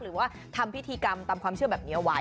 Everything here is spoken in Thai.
หรือว่าทำพิธีกรรมตามความเชื่อแบบนี้เอาไว้